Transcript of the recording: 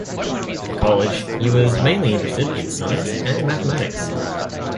In college, he was mainly interested in science and mathematics.